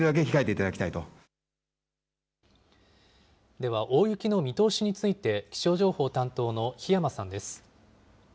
では、大雪の見通しについて、気象情報担当の檜山さんです。